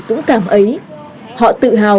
dũng cảm ấy họ tự hào